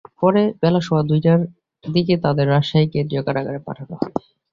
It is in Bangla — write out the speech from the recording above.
পরে বেলা সোয়া দুইটার দিকে তাঁদের রাজশাহী কেন্দ্রীয় কারাগারে পাঠানো হয়।